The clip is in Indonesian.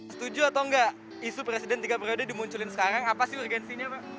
setuju atau enggak isu presiden tiga periode dimunculin sekarang apa sih urgensinya pak